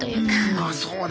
ああそうね。